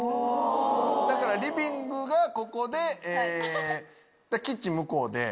リビングがここでキッチン向こうで。